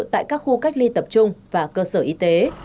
tại các khu cách ly tập trung và cơ sở y tế